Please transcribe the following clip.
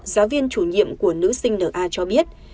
giáo viên chủ nhiệm của nữ sinh n a cho biết